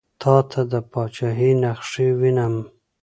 تاته د پاچهي نخښې وینم.